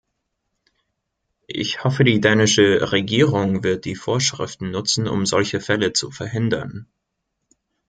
Ich hoffe, die dänische Regierung wird die Vorschriften nutzen, um solche Fälle zu verhindern.